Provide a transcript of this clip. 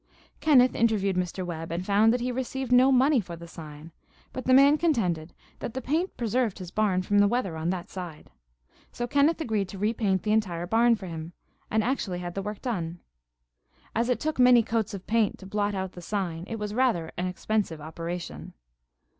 Kenneth interviewed Mr. Webb and found that he received no money for the sign; but the man contended that the paint preserved his barn from the weather on that side. So Kenneth agreed to repaint the entire barn for him, and actually had the work done. As it took many coats of paint to blot out the sign it was rather a expensive operation.